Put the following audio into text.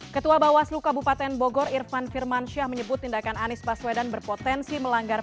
ketua bawaslu kabupaten bogor irfan firmansyah menyebut tindakan anies baswedan berpotensi melanggar